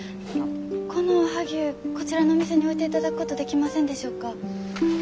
このおはぎゅうこちらのお店に置いていただくことできませんでしょうか？